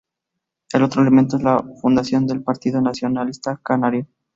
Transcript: El otro elemento es la fundación del Partido Nacionalista Canario.